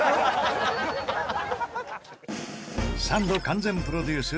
サンド完全プロデュース